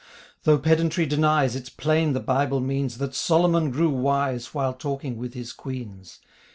Though pedantry denies It's plain the Bible means That Solomon grew wise While talking with his queens.